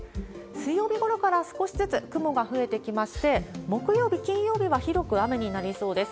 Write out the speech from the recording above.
水曜日ごろから少しずつ雲が増えてきまして、木曜日、金曜日は広く雨になりそうです。